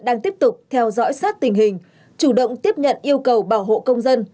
đang tiếp tục theo dõi sát tình hình chủ động tiếp nhận yêu cầu bảo hộ công dân